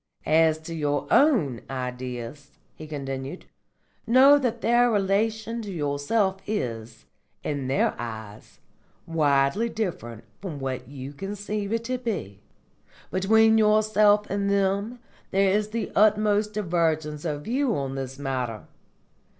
"As to your own Ideas," he continued, "know that their relation to yourself is, in their eyes, widely different from what you conceive it to be. Between yourself and them there is the utmost divergence of view on this matter.